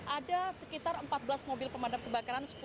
ada sekitar empat belas mobil pemadam kebakaran